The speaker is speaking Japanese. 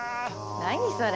何それ。